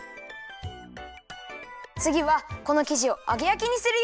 つぎはこのきじをあげやきにするよ！